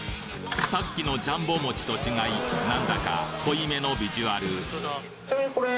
さっきのジャンボ餅と違い何だか濃いめのビジュアルちなみにこれ。